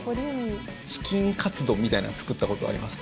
チキンカツ丼みたいなの作ったことあります。